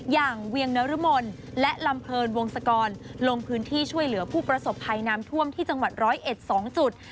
อย่างเวียงนรมล์และลำเพลินวงศกรลงพื้นที่ช่วยเหลือผู้ประสบภัยนามท่วมที่จังหวัดร้อยเอ็ด๒จุด